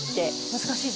難しいぞ。